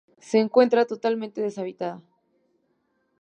Se encuentra totalmente deshabitada.